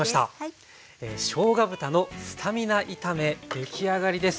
出来上がりです。